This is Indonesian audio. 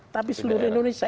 tapi seluruh indonesia